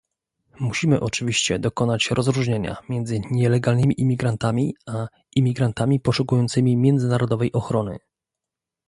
Musimy oczywiście dokonać rozróżnienia między nielegalnymi imigrantami, a imigrantami poszukującymi międzynarodowej ochrony